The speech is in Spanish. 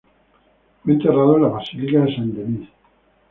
Fue enterrada en la basílica de Saint-Denis.